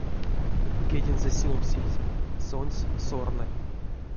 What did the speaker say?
Кедензэ сюлмсезь, сонсь сорны.